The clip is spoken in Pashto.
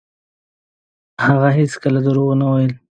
هغه ﷺ هېڅکله دروغ ونه ویل.